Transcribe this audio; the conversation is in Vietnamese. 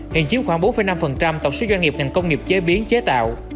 hiện chiếm khoảng bốn năm tổng số doanh nghiệp ngành công nghiệp chế biến chế tạo